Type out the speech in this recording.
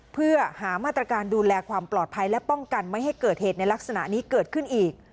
เพื่อหามาตรการดูแลความปลอดภัยและป้องกันไม่ให้เกิดเหตุในลักษณะนี้เกิดขึ้นอีก